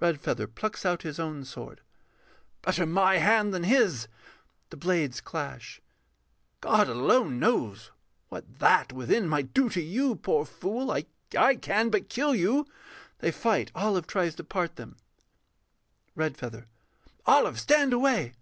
REDFEATHER [plucks out his own sword]. Better my hand than his. [The blades clash.] God alone knows What That within might do to you, poor fool, I can but kill you. [They fight. OLIVE tries to part them.] REDFEATHER. Olive, stand away!